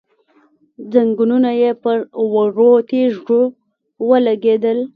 ځنګنونه يې پر وړو تيږو ولګېدل،